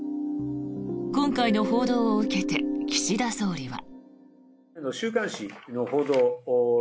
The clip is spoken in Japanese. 今回の報道を受けて岸田総理は。